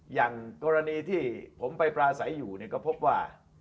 อย่างกรณีที่ผมไปปราศัยอยู่ก็พบว่า